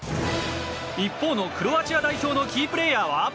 一方のクロアチア代表のキープレーヤーは？